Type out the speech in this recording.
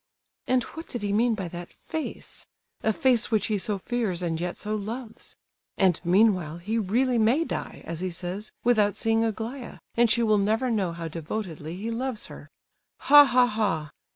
"And what did he mean by that face—a face which he so fears, and yet so loves? And meanwhile he really may die, as he says, without seeing Aglaya, and she will never know how devotedly he loves her! Ha, ha, ha!